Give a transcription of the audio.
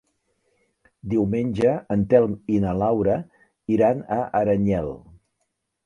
Diumenge en Telm i na Laura iran a Aranyel.